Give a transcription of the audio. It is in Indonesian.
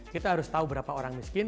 kita harus tahu berapa orang miskin